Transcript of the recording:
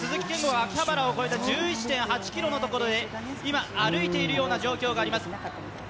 秋葉原を越えた１１．８ｋｍのところで歩いているような状況があります。